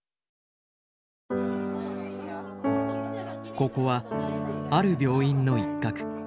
ここはある病院の一角。